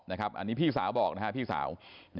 นะครับอันนี้พี่สาวบอกนะครับพี่สาว